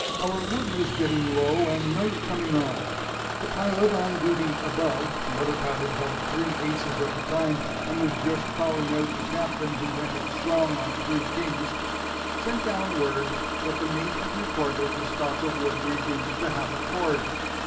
Our wood was getting low, and night coming on. The pilot on duty above (the other pilot held three aces at the time, and was just calling out the Captain, who "went it strong" on three kings) sent down word that the mate had reported the stock of wood reduced to half a cord.